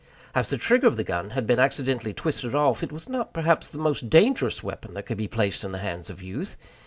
As the trigger of the gun had been accidentally twisted off, it was not, perhaps, the most dangerous weapon that could be placed in the hands of youth.